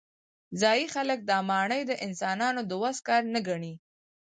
ځايي خلک دا ماڼۍ د انسانانو د وس کار نه ګڼي.